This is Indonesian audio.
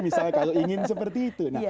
misalnya kalau ingin seperti itu